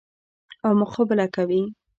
او مقابله کوي.